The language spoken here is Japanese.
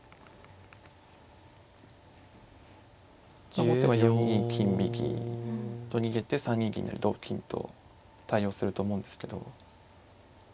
まあ後手は４二金右と逃げて３二銀成同金と対応すると思うんですけど。